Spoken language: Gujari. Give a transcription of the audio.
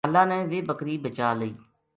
اللہ نے ویہ بکری بچا لئی